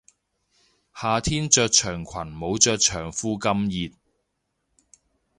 夏天着長裙冇着長褲咁熱